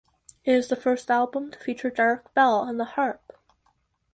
It is the first album to feature Derek Bell on the harp.